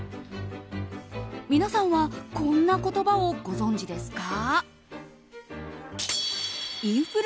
皆さんはこんな言葉をご存じですか？